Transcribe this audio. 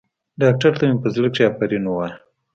ډاکتر ته مې په زړه کښې افرين ووايه.